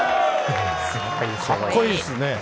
かっこいいですね。